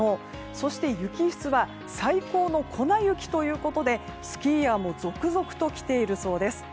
そして雪質は最高の粉雪ということでスキーヤーも続々と来ているそうです。